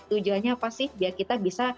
tujuannya apa sih biar kita bisa